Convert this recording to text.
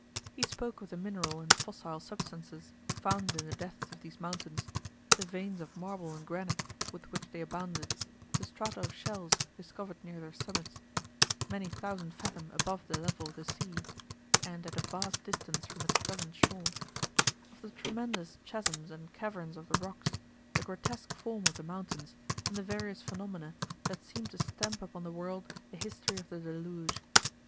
He spoke of the mineral and fossile substances, found in the depths of these mountains,—the veins of marble and granite, with which they abounded, the strata of shells, discovered near their summits, many thousand fathom above the level of the sea, and at a vast distance from its present shore;—of the tremendous chasms and caverns of the rocks, the grotesque form of the mountains, and the various phenomena, that seem to stamp upon the world the history of the deluge.